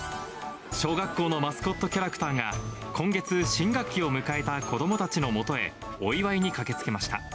小学校のマスコットキャラクターが今月、新学期を迎えた子どもたちのもとへ、お祝いに駆けつけました。